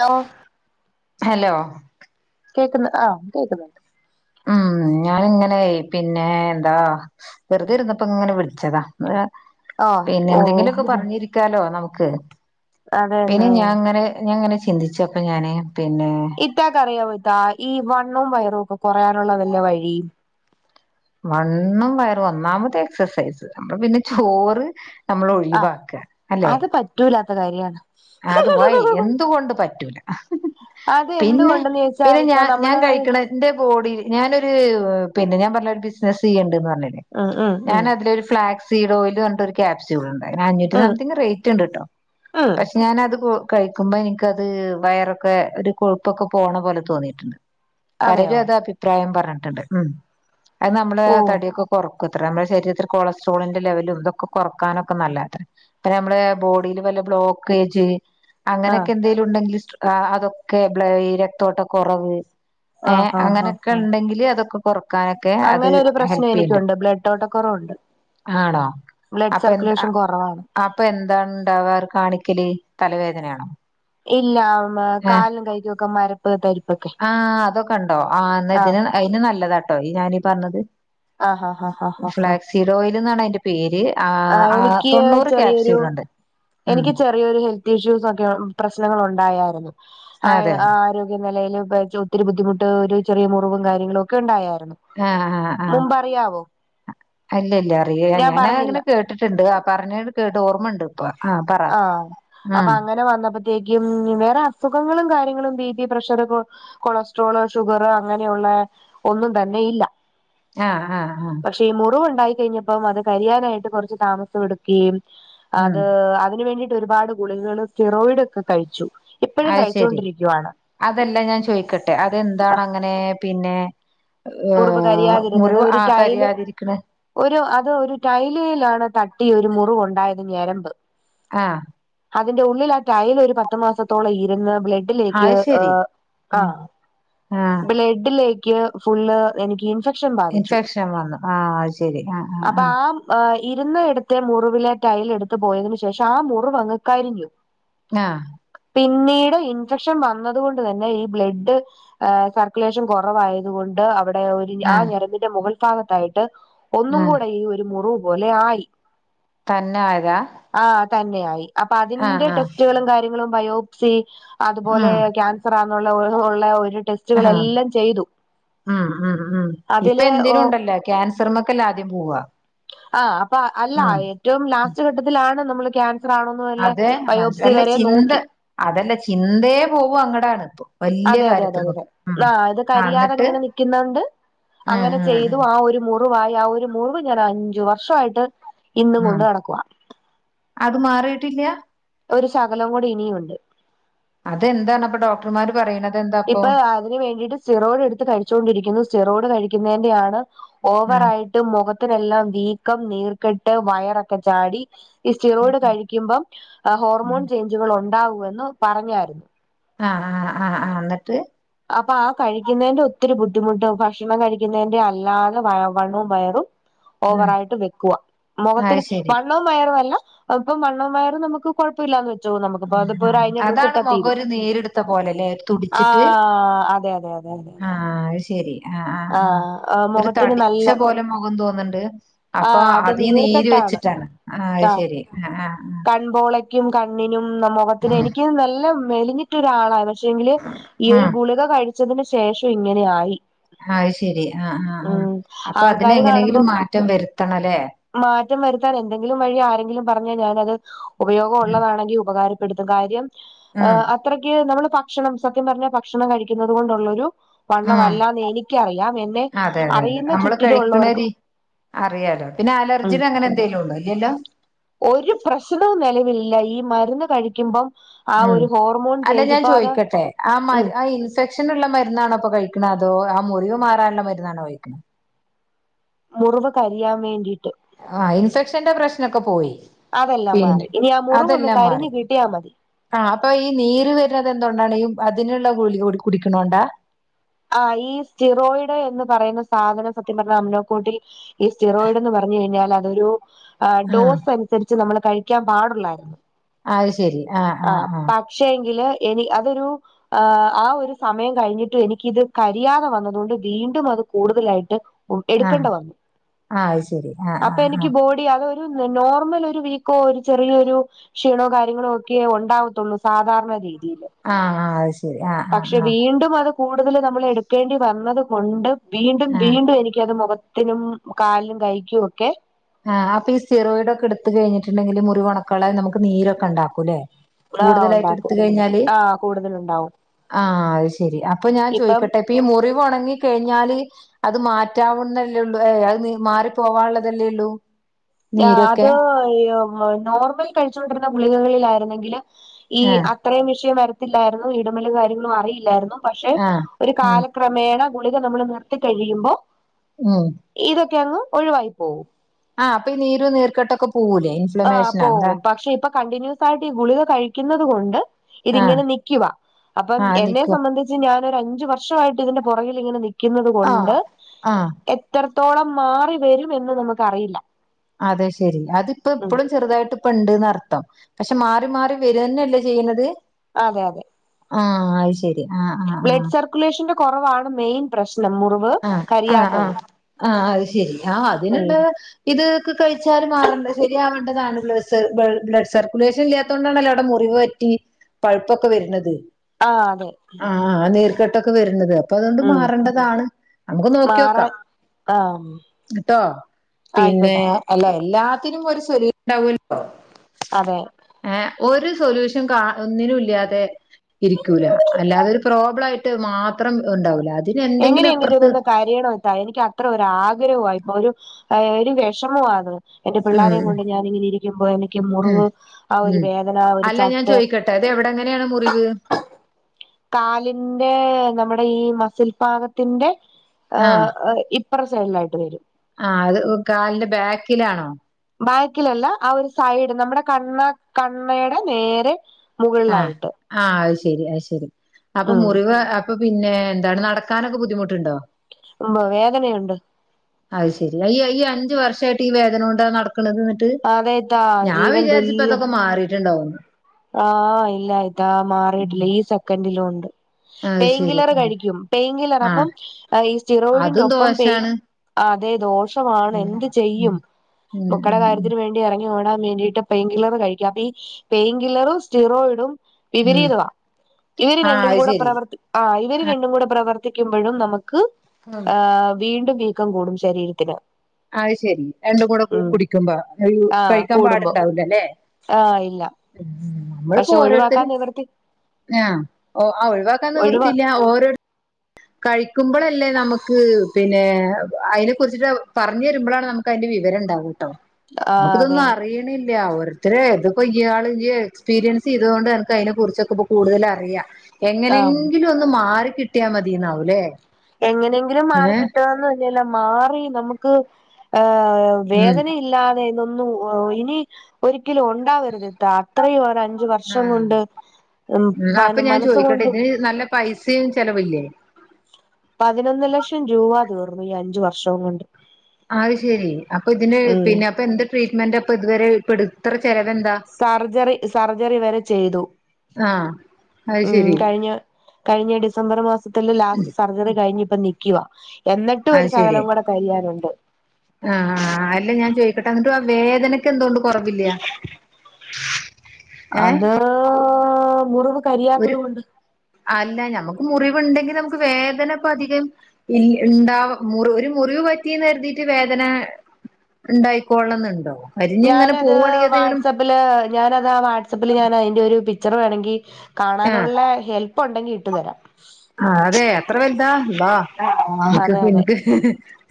Hello hello കേക്കുന്നു ആ പ്പൊ ക്കുന്നുണ്ട് ഉം ഞാനിങ്ങനെ പിന്നെ എന്താ വെറുതെ ഇരുന്നപ്പോ ഇങ്ങനെ വിളിച്ചതാ മ് ആഹ് പിന്നെ എന്തെങ്കിലൊക്കെ ഓഹ് പറഞ്ഞിരിക്കാലോ നമു ക്ക് പിന്നെ അതന്നെ ഞാൻങ്ങനെ ഞാങ്ങനെ ചിന്തിച്ചൊപ്പെഞാന് ഇത്താക്കറിയോ ഇത്താ ഈ വണ്ണോം വയറു തൂക്കകൊറയാനുള്ള വല്ല വഴിയും വണ്ണോം, വയറും ഒന്നാമത് എക്സസൈസ് നമ്മ പിന്നെ ചോറ് നമ്മൾ ആഹ് ഒഴിവാക്ക അല്ലെ അത് പറ്റൂലാത്ത കാര്യാണ് അത് വഴി എന്തുകൊണ്ട് പറ്റൂല അത് പിന്നെ എന്തുകൊണ്ടെന്ന് ചോദിച്ചാ പിന്നെ ഇത്ത ഞാൻ ഞാൻ നമ്മള് കഴിക്കണ എന്റെ ബോഡി ഞാനൊരു പിന്നെ ഞാൻ പർഞ്ഞിലെ ഒരു ബിസിനസ് ചെയ്യ്ണ്ട്ന്ന് ഉം ഉം ഉം ഞാൻ അതിലൊരു ഫ്ലാഗ്സ് സീഡോയിലർഞ്ഞിട്ട് ഒരു ക്യാപ്സൂള്ണ്ട് അയ്ഞ്ഞ്അഞ്ഞൂറ്റി ഉം സംത്തിങ് റേറ്റ് ഇണ്ട്ട്ടോ ഉം അത് കൂ കഴിക്കുമ്പോ എനിക്കത് വയറൊക്കെ ഒരു കൊഴുപ്പൊക്കെ പോണപോലെ തോന്നീട്ടുണ്ട് അതെയോ പരരും അതഭിപ്രായം പർഞ്ഞ ട്ടുണ്ട് ഉം അത് നമ്മള് ഓഹ് തടിയൊക്കെ കൊർക്ക നമ്മ ശരീരത്തിൽ കൊളസ്ട്രോളിന്റെ ലെവലുംതൊക്കെ കൊറക്കാനൊക്ക നല്ല അത്രെ നമ്മളെബോഡിയില് വല്ല ബ്ലോക്ക് കെ ജി ആഹ് അങ്ങനെക്കെ എന്തേലും ഇണ്ടെങ്കില് സ് ആ അതൊക്കെ ബ്ലെ ഈ രക്തോട്ട കൊറവ് ഏ ആഹ് ആഹ് ആഹ് അങ്ങനെയൊക്കെ ആഹ് ഇണ്ടെങ്കില് അതൊക്കെ പ കാണിക്ക അത് അങ്ങനെ ഒരു പ്രശ്നം ഹെൽപ് ചെയ്യ്ണ്ട്. എനിക്കുണ്ട് ബ്ലഡ് ഓട്ടക്കുറവുണ്ട് ആണോ ബ്ലഡ് അപ്പ എ അ സർക്കുലേഷൻ കൊറവാണ് അപ്പൊ എന്താണ്ടവാർ കാണി എയ് തലവേദനാണോ? ഇല്ല കാലും കൈകൊക്കെ മര തരിപ്പ് ആ അതൊക്കെ ഇണ്ടോ ആ ആഹ് ഇതിന് അതിന് നല്ലതാട്ടോ ഞാനീ പർഞ്ഞത് ആഹ് ആഹ് ആഹ് ഫ്ളാക്സിഡോയിൽ ന്നാണ് അയ് ന്റെ പേര് ആ ആഹ് ആഹ് എനിക്ക് തൊണ്ണൂറ് ചെറിയൊരു ക്യാപ്സ്യൂൾ ഉണ്ട് ഉം എനിക്ക് ചെറിയൊരു ഹെൽത്ത് ഇഷ്യൂസ് ഒക്കെ പ്രശ്നങ്ങൾ ഉണ്ടായാർന്നു ആ അതെ ആരോഗ്യ വലയിൽ ഒത്തിരി ബുദ്ധിമുട്ട് ഒരു ചെറിയ മുറിവും കാര്യങ്ങളും ഒക്കെ ഉണ്ടായെ മുമ്പ് അറിയാവോ അല്ലല്ല അറിയൻ ഞാനാ അങ്ങനെ കേട്ട ട്ടിട്ടുണ്ട് ആ പറഞ്ഞ കേട്ട് ഓർമ്മണ്ട് ഇപ്പൊ ആഹ് പറ ആഹ അപ്പൊ ഉം അങ്ങനെ വന്നപ്പോത്തേക്കും വേറെ അസുഖങ്ങളും കാര്യങ്ങള ങ്ങളും ബീപി പ്രഷർ കോള് കൊളസ്ട്രോള് ഷുഗർ അങ്ങനെയുള്ള ഒന്നും തന്നെ ഇല്ല ആഹ് ആഹ് ആഹ ഉണ്ടായി കഴിഞ്ഞപ്പം അത് കരിയാനായിട്ട് കുറച്ച് താമസഎ ടുക്കയും ഉം അത് അത് അതിന് വേണ്ടിട്ട് ഒരുപാട് ഗുളികകള് തിറോയിഡ് ക്കെ കഴിച്ചു ഇപ്പോഴും അത് ശെരി കഴിച്ചുകൊണ്ടിരിക്കുവാണ് അതെല്ല ഞാൻ ചോയ്ക്കട്ടെ അതെന്താണ് അങ്ങനെ പിന്നെ മുറിവ് ഏഹ് കരിയാതിരുന്നത് മുറിവ് ഒരു ആഹ് ടൈല് കരിയാതിരിക്കണ ഒരു അത് ഒരു ടൈലിലാണ് തട്ടി ഒരു മു റിവ്ണ്ടായത് ഞരമ്പ് ആ അതിന്റെ ഉള്ളിൽ ആ ടൈൽ ഒരു പത്തു മാസത്തോളം ഇരുന്ന് ബ്ലഡിലേക്ക് അത് എ ശരി ആ ആഹ് ആഹ് ബ്ലഡ്ഡിലേക് ക്ക് ഫുള്ള് എനിക്ക്‌ ഇൻഫെ ഇൻഫെക്ഷൻ വന്നു ആ അത് ശെരി ആ ആ ആ ഇരുന്നിടത്തെ മുറിവിലെ ടൈൽ എടുത്ത് പോയതിന് ശേഷം ആ മുറിവങ്ങ് കരിഞ്ഞു ആ പിന്നീട് ഇൻഫെക്ഷൻ വന്നത് കൊണ്ട് തന്നെ ഈ ബ്ലഡ്ഡ് ആ സർക്കുലേഷൻ കൊറവായതുകൊണ്ട് അവ ഒര് ആ ഞെരമ്പിന്റെ മുകൾ ഭാഗത്തായിട്ട് ആ ഒന്നും കൂടെ ഈ ഒരു മുറിവ് പോലെ ആയി തന്നെ ആയതാ? തന്നെ ആയി അപ്പൊ ആ അതിന്റെ ആ ടെസ്റ്റുകളും കാര്യങ്ങ ങ്ങളും ബയോപ്സി ആ അതുപോലെ ക്യാൻസറാണ് ള്ള ഉള്ള ഒരു അഹ് ടെസ്റ്റുകളെല്ലാം ചെയ്തു ഉം ഉം ഉം ഇപ്പ അതില് ഓ എന്തിനുംണ്ടല്ലോ ക്യാൻസ് ശ്രമക്കെല്ല ആദ്യം പോവാ ആഹ് അ അല്ല ഉം ഏറ്റവും ലാസ്റ്റ് ഘട്ടത്തിലാണ് ന നമ്മള് ക്യാൻ അതെ മന അല്ല ചിന്ത് നോക്കി അതല്ല ചിന്തേ പോവും അങ്ങടാണ് ഇപ്പൊ. വല്യ അതെയതെയതെ അതേ കാര്യത്തിമ്മക്ക് ഉം ആ ഇത് ആ എന്നിട്ട് കരിയാാതെങ്ങനെ നിക്കുന്നുണ്ട് ഉം അങ്ങനെ ഉം ഉം ചെയ്തു ആ ഒരു മു വായി ആ മുറിവ് ഞാനഞ്ചു വർഷായിട്ട് ഇന്നും ഉം കൊണ്ട് നടക്കുവാ ട്ടില്ല്യ? ഒരു ശകലം കൂടി ഇനിയുണ്ട്. അതെന്താണ്പ്പൊ ഡോക്ടർമാര് പറയ്ണ? ഇപ്പൊ അതിന് വേണ്ടിട്ട് സിറോഡ് എടുത്ത് കഴിച്ചുകൊണ്ടിരിക്കുന്നു സിറോഡ് കഴി കഴിക്കുന്നെൻ്റെയാണ്. ഓവറായിട്ടും മുഖത്തിനെല്ലാം വീക്കം നീർക്കെട്ട് വയറൊക്കെ ചാടി ഈ സ്റ്റിറോയിഡ് കഴിക്കുമ്പോ ഹോർമോൺ ചേഞ്ചുകൾ ഉ ണ്ടാവൂന്ന് പറഞ്ഞാരുന്നു ആഹ് ആഹ് ആഹ് ആഹ് എന്നിട്ട് അപ്പൊ ആ കഴിക്കുന്നതിന്റെ ഒത്തിരി ബുദ്ധിമുട്ട് ഭക്ഷണം കഴിക്കുന്നതിന്റെ അല്ലാതെ വ വണ്ണവും വയറും ഉം ഓവറായിട്ട് വെക്കുക അത് മുഖത്തിന് ശരി വണ്ണവും വയറും അല്ല അപ്പം വണ്ണം വയറ് നമുക്ക് കുഴപ്പമില്ലാന്ന് വെ ഉം അതാണ് മുഖം ഒരു നീരെടുത്ത പോലെ അല്ലേ തുടിച്ചിട്ട് ആ അതെ അതെ അതെ അതെ രി ആഹ് ആഹ് ആഹ് ആ ഒരു മുഖത്തിന് നല്ല തടിച്ച പോലെ മുഖം തോന്നുണ്ട് അപ്പൊ ആഹ് അത് അതീ നീര് നീർക്കെട്ടാണ് വെച്ചിട്ടാണ് ആ അത് ആഹ് ശരി ആ ആ കൺപോളയ്ക്കും കണ്ണിനും ഉം മുഖത്തിന് ആഹ് എനിക്ക് നല്ല മെലിഞ്ഞിട്ടൊരാളാ പക്ഷെ എങ്കില് ഈ ഉം ഒരു ഗുളിക കഴി ച്ചതിന് ശേഷം ഇങ്ങനെ ആയി അത് ശെരി ആഹ് ആഹ് ആഹ് ഉം അപ്പൊ അതിനെ ആൾക്കാര് എങ്ങനെങ്കിലും കാണുമ്പം മാറ്റം വരുത്തണല്ലേ ഞ്ഞെരാൻ അത് ഉപയോഗം ഉം ഉള്ളതാണെങ്കിൽ ഉപകാരം പ്പെടുത്ത് കാര്യം ആ ഉം അത്രയ്ക്ക് നമ്മള് ഭക്ഷണം സത്യം പറഞ്ഞ ഭക്ഷണം കഴിക്കുന്നത് കൊണ്ടുള്ളൊരു ഉം വണ്ണമല്ലാന്ന് എനിക്കറിയാം എന്നെ അതെതെതെ അറിയുന്ന നമ്മള് കഴിക്ക്ണെ ചുറ്റിലുള്ളവർക്കും അറിയാലോ പിന്നെ ഉം അലർജി അങ്ങനെ എന്തേലും ഉള്ളോ ഇല്ലല്ലോ ഒരു പ്രശ്നവും നിലവില് ല്ല ഈ മരുന്ന് കഴിക്കുമ്പം ആ ഉം ഒരു ഹോർമോൺ അല്ല ചേഞ്ച് ഞാൻ ഇപ്പൊ അത് ചോദിക്കട്ടെ ആ ഉം മരുന്ന് ആ ഇൻഫെക്ഷനുള്ള മരുന്നാണോ ഇപ്പൊ കഴി ക്ക്ണെ അതോ ആ മുറിവ് മാറാനുള്ള മരുന്നാണ കഴിക്കുന്നത് മുറിവ് കരിയാൻ വേണ്ടി ആ ഇൻഫെക്ഷന്റെ പ്രശ്നൊക്കെ പോയി അതെല്ലാം മാറി പിന്നെ ഇനി ആ മുറിവൊന്ന് അതെല്ലാം കരിഞ്ഞു മാറി കിട്ടിയാ മതി ആ അപ്പൊ ഈ നീര് വരുന്നത് എന്തുകണ്ടാണ് ഈ അതിന്ള്ള ഗുളിക കൂടി കുടിക്കണോണ്ടാ? ആ ഈ സ്റ്റിറോയിഡ് എന്ന് പറയുന്ന സാധനം സത്യം പറഞ്ഞ അമിനോകോട്ടി ഈ സ്റ്റിറോയിഡ്ന്ന് പറഞ്ഞ കഴിഞ്ഞാല അതൊരു ആഹ് ഡോസ് അനുസരിച്ച് നമ്മള് കഴിക്കാൻ പാടുള്ളായിരുന്നു അത് ശെരി ആ ആ ആ എനി അതൊരു ആ ഒരു സമയം കഴിഞ്ഞിട്ട് എനിക്ക് ഇത് കരിയാതെ വന്നത് കൊണ്ട് വീണ്ടും അത് കൂടുതലായിട്ട് ആഹ് എടുക്കണ്ട വന്നു ആഹ് അത് ശരി ആഹ് അപ്പൊ ആഹ് എനിക്ക് ബോഡി അത് നോർമൽ ഒരു വീക്കോ ഒരു ചെറിയരു ക്ഷീണോ കാര്യങ്ങളോ ഒക്കെ ഉണ്ടാവത്തുള്ളൂ സാധാരണ രീ ആ ആ അത് ശരി ആ ആ വീണ്ടും അത് കൂടുതൽ നമ്മള് എടുക്കേണ്ടി വന്നത് കൊണ്ട് വീണ്ടും ആഹ് വീണ്ടും എനിക്കത് മുഖ ത്തിനും കാലിനും കയ്യ്ക്കും ഒക്കെ ആ അപ്പ ഈ സ്റ്റിറ്റോയിഡ് ഒക്കെ എടുത്ത് കഴിഞ്ഞിട്ടുണ്ടെങ്കിൽ മുറിവൊണകള്ളാ നമക്കീ നീരൊക്കെ ഇണ്ടാക്കും ല്ലേ ആ കൂടുതലായിട്ട് എടുത്ത ഉണ്ടാക്കും കഴിഞ്ഞാല് ആ കൂടുതലുണ്ടാവും ആ അയ് ശരി അപ്പൊ ഞാൻ ഇപ്പം ചോയ്ക്കട്ടെ അപ്പൊ ഈ മുറിവ് ഉണങ്ങി കഴിഞ്ഞാല് അത് മാറ്റാവുന്നല്ലേ ഉള്ളൂ ഏ അത് മാറി പോവാനുള്ളതല്ലേ ഉള്ളൂ ഉം ആ അത് ഇയോ നോർമൽ കഴിച്ചുകോണ്ടിരുന്ന കുളികകളിലായിരുന്നെങ്കിൽ ഈ ആ അത്രയും വിഷയം വര് പത്തില്ലായിരുന്നു ഇടമെല കാര്യങ്ങളും അറിയില്ലായിരുന്നു പക്ഷെ ആഹ് ഒരു ഉം കാലക്രമേണ കുളിക നമ്മൾ നിർത്തി കഴിയുമ്പോ ഉം ഇതൊക്കെയങ്ങു ഒഴിവായി പോവും ആ അപ്പ നീരും നീർക്കെട്ടൊക്കെ പോ ആ പോവും പക്ഷെ ഇപ്പൊ കണ്ടിന്യൂസായിട്ട് ഈ കുളിക കഴിക്കുന്ന തു കൊണ്ട് ആഹ് ഇതിങ്ങനെ നിക്കിവാ അപ്പം ആഹ് എന്നെ നിക്കും സംബന്ധിച്ച് ഞാൻ അഞ്ച് വർഷായിട്ട് ഇതിന്റെ പുറകിൽ ഇങ്ങനെ നി ക്കിന്നത് കൊണ്ട് ആഹ് ആഹ് എത്ര ത്തോളം മാറി വരുമെന്ന് നമുക്കറിയില്ല അതെ ശരി അത് ഇപ്പ ഉം എപ്പളും ചെറുതായിട്ട് ഇപ്പ ഇണ്ട്ന്ന്‌ അർത്ഥം പക്ഷെ മാറി മാറി വെര്കെന്നെല്ലേ ചെയ്യ്ണത് അതെ അതെ ആ അയ് ശരി ആ ആ ആ കൊറവാണ് മെയിൻ പ്രശ്നം മുറിവ് ആ ആ ആ കരിയാത്തത് ആ അത് ശരി ആ അതിനുള്ള ഉം ഇത് ക് കഴിച്ചാല് മാറ ണ്ടെ ശരിയാവേണ്ടതാണ് ബൾ ബ്ലഡ് സർക്കുലേഷൻ ഇല്ലാത്തോണ്ടാണല്ലോ അയുടെ മുറിവ് പറ്റി പഴുപ്പൊക്കെ വെര്ന്നത് ആ അതെ ആ നീർ കെട്ട് ട്ടൊക്കെ വര്ണത് അപ്പൊ അതുകൊണ്ട് ഉം മാറണ്ടതാണ് നമുക്ക് നോക്കി ഓക്കാം മാറാൻ ആ കേട്ടോ പിന്നെ ആയിക്കോട്ടെ അല്ല എല്ലാത്തിനും ഒരു സ്വലു ഉണ്ടാവോല്ലോ അതെ ഒരു സൊല്യൂഷൻ കാ ഒന്നിനും ഇല്ലാതെ ഇരിക്കൂല അല്ലാതെ ഒരു പ്രോബ്ലായിട്ട് മാത്രം ഇണ്ടാവൂല ഇതിനെന്തെങ്കിലും അപ്പ്റ ഒന്ന് കരയണം ഇത്ത എനിക്ക് അത്ര ഒരു ആഗ്രഹായിപ്പൊ ഒരു ഏ ഒരു വെഷമുമാ അത് എന്റെ ഉം പിള്ളാരം കൊണ്ട് ഞാനിങ്ങനെ ഇരിക്കുമ്പോ എനിക്ക് ഉം മുറിവ് ആ ഒരു ഉം വേദന ആ ഒരു അല്ല ഞാൻ ചട്ട് ചോദിക്കട്ടെ അത് എവിടെ എങ്ങനെയാണ് മുറിവ് കാലിന്റെ നമ്മുടെ ഈ മസിൽപാകത്തിന്റെ ഏ ഇപ് പ്ര സൈഡിലായിട്ട് വരും ആ അത് കാലിന്റെ ബാക്കിലാണോ? ബാക്കിലല്ല ആ ഒരു സൈഡ് നമ്മുടെ കണ്ണ് കണ്ണയുടെ നേരെ ആ മുകളിലായിട്ട് ആ അയ് ശെ ശരി അയ് ശരി അപ്പൊ ഉം മുറിവ് അപ്പൊ പിന്നെ എന്താണ് നടക്കാനൊക്കെ ബുദ്ധിമുട്ടുണ്ടോ ഉവ്വ് വേദനയുണ്ട് അയ് ശരി ഈ ഈ അഞ്ചു വർഷായിട്ട് ഈ വേദന കൊണ്ട് നട് ക്ക്‌ണത് ഇന്നട്ട് അതേത്താ ഞാൻ വിചാരിച്ച്പ്പതൊക്കെ മാറി ട്ട്ണ്ടാവും ആ ഇല്ല ഇത്താ മാറീട്ടില്ല ഈ സെക്കന്റിലും ഇ അത് പേയിൻ ശരി കില്ലറ് ആ കഴിക്കും പെയിൻ കില്ലറ് ആഹ് അപ്പം ഈ സ്റ്റിറോയിഡിന്റെ അതും ഒപ്പം പെയിൻ ദോശാണ് ആ [unintelligible] പ്പവാണ് ഉം എന്ത് ഉം ചെയ്യും ഉം മോക്കട ഉം ഉം കാര്യത്തിന് വേണ്ടി എറങ്ങി ഓടാ വേണ്ടീട്ട് പെയ്ൻ കില്ലറ് കഴിക്കാ അപ്പീ പെയ് കില്ലറും സ്റ്റീറോയ്ഡും ഉം വിപരീതവാ ഇവര് ആഹ് രണ്ടും അത് കൂടെ ശരി പ്രവർത്തി ആ ഇവര് രണ്ടും കൂടെ പ്രവർ ത്തിക്കുമ്പോഴും നമ ക്ക്‌ ഉം ഹ് വീണ്ടും വീക്കം കൂടും ശരീരത്തിന് അഹ് ശെരി രണ്ടും കൂടെ ഉം കുടിക്കുമ്പ ആഹ് കഴിക്കാൻ കൂടുമ്പോ പാടുണ്ടാവൂലല്ലേ ആഹ് ഇല്ല നമ്മള്പ്പോ പക്ഷെ ഒഴിവാക്കാൻ ഓരോരുത്തര് നിവർത്തി ആ ഓ ആ ഒഴിവാക്കാൻ ഒഴിവാ നിവൃത്തിയില്ല ഓരോര് കഴിക്കുമ്പളല്ലേ നമക്ക് പിന്നെ അയ്നെ കുറിച്ചിട്ട് പറഞ് എരുമ്പളാണ് നമുക്ക് അയ്ന്റെ വിവരം ഉണ്ടാവൂ ട്ടോ നമുക്ക്‌ ആഹ് തൊന്നും അതെ അറിയ്ണില്ല ത്രേ ഇത് ഇയ്യാള് യ്യ് എക്സ്പീരിയൻസ് ചെയ്തതോണ്ട് അൻക്ക് അയ്നെ കുറിച്ചൊക്കെ പ്പ കൂടുതലറിയാ ആഹ് എങ്ങനെങ്കിലോന്ന് മാറി കിട്ട്യാ മത് തീന്നാവൂലെ? എങ്ങനെങ്കിലും മാറി കിട്ടുവന്ന് ല്ലേലും മാറി നമുക്ക് ആ ആ ഉം വേദനയില്ലാതെ ന്നു ഇനി ഒരിക്കലും ഉണ്ടാവരുത്ട്ടാ അത്രയും ഒര അഞ്ച് വർഷം ആഹ് കൊണ്ട് ഉം അപ്പൊ ഞാൻ മനസ്സും ചോദിക്കട്ടെ കൊണ്ട്‌ ഇതിന് നല്ല പൈസയും ചെലവില്ലേ? പതിനൊന്ന് ലക്ഷം രൂപ തീർന്നു ഈ അഞ്ചു വർഷം കൊണ്ട് അത് ശെരി അപ്പൊ ഇതിന് ഉം പിന്നെ അപ്പൊ എന്ത് ട്രീറ്റ്മെന്റ പ്പ ഇതുവരെ പ ഇട് സർജറി സർജറി വരെ ചെയ്തു ആഹ് അത് ഉം ശെരി കഴിഞ്ഞ കഴിഞ്ഞ ഡിസംബറ് മാസത്തില് ലാസ്റ്റ് സർജറി കഴിഞ്ഞ് ഇപ്പ നിക്കവാ എന്നിട്ടും അത് ഒരു ശെരി സകലം കൂടെ കഴിയാനുണ്ട് ആഹ് ആ അല്ല ഞാൻ ചോദിക്കട്ടെ എന്നിട്ട് ആ വേദന ഏഹ് അത് മുറിവ് ഒരു കരിയാത്തത് കൊണ്ട് അല്ല ഞമ്മക്ക് മുറിവ് ഉണ്ടെങ്കിൽ നമുക്ക് വേദന ഇപ്പ അധികം ഉണ്ടാവ ഒരു മുറിവ് പറ്റിന്ന് കരുതിയിട്ട് വേദന ഉണ്ടായിക്കോള്ളുന്നുണ്ടോ? ഞാനത് വാട്സആപ്പില് ഞാനതാ വാട്സപ്പില് ഞൻ അതിന്റെ ഒരു [unintelligible] ആഹ് കാണാനുള്ള ഹെൽപ് ഉണ്ടെങ്കി ഇട്ടുതരാം. അതെ അത്ര വലുതാ അള്ളാ അതെതെ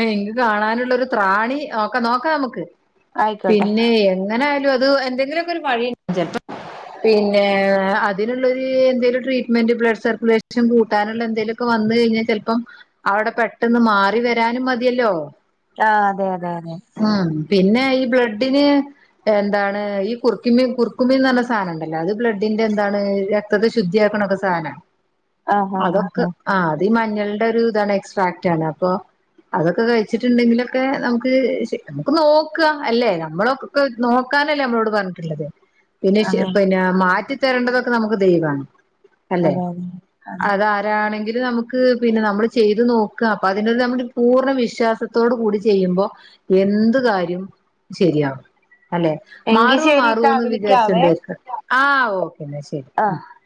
ഏ എങ്ക് കാണാനുള്ള ഒരു ത്രാണി ഒക്കെ നോക്കാം നമുക്ക് ആയിക്കോട്ടെ പിന്നെ എങ്ങനൊയാലും അ അ എന്തെങ്കിലുമൊക്കെ [unintelligible] പിന്നെ അതിനുള്ളൊരു എന്തെലും ട്രീറ്റ്മെന്റ് ബ്ലഡ് സർക്കുലേഷൻ കൂട്ടാനുള്ള എന്തേങ്കലുമൊക്കെ വന്ന കഴിഞ്ഞാൽ ചിലപ്പം അവിടെ പെട്ടെന്ന് മാറി വരാനും മതിയല്ലോ? ആഹ അതെ അതെ അതെ ഉം പിന്നെ ഈ ബ്ലഡിന് എന്താണ് ഈ കുറക്കുമി കുറക്കുമ്മിന്ന് പറ സാധനംണ്ടല്ലോ അത് ബ്ലഡിന്റെ എതാണ് രക്തത്തെ ശുദ്ധിയാക്കണൊക്കെ സാധന ആ ആ ആ അതൊക്കെ ആ ആഹ അ അ ഈ മഞ്ഞളുടെ ഒരു ഇതാണ് എക്സ്ട്രാക്ട് ആണ്. അപ്പൊ അതൊക്കെ കഴിച്ചിട്ടുണ്ടെങ്കിലൊക്കെ നമുക്ക് നമുക്ക് നോക്ക അല്ലെ നമ്മളക്കെ നോക്കാനല്ലേ നമ്മളോട് പറഞ്ഞിട്ടുള്ളത്. പിന്നെ അതെ പിന്നെ മാറ്റി തരണ്ടതൊക്കെ നമുക്ക് ദൈവാണ്. അല്ലെ അതെ അതെ അതെ അത് ആരാണെങ്കിൽ നമുക്ക് പിന്നെ നമ്മള് ചെയ്ത് നോക്ക അപ്പൊ അതിനരു നമ്മൾ പൂർണ്ണ വിശ്വാസത്തോട് കൂടി ചെയ്യുമ്പോ എന്ത് കാര്യം ശരിയാവും. അല്ലെ എങ്കി മാറുവ ശരി മാറോ ഇത്താ വിളിക്കാവേ വിചാരിച്ചുണ്ടരിക്ക ആ ഒ പിന്നെ ശരി ആ ഉം